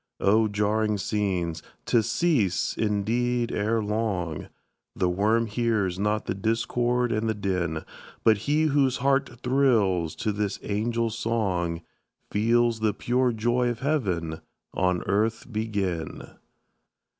Oh, jarring scenes! to cease, indeed, ere long; The worm hears not the discord and the din; But he whose heart thrills to this angel song, Feels the pure joy of heaven on earth begin!